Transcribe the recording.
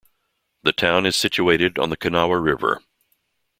The town is situated on the Kanawha River.